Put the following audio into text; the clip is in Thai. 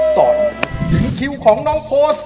ตอนนี้ถึงคิวของน้องโพสต์